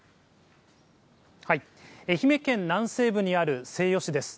愛媛県南西部にある西予市です。